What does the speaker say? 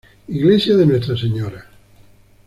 Iglesia de Nuestra Sra.